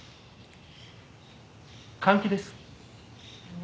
換気です。